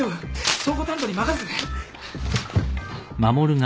倉庫担当に任せて。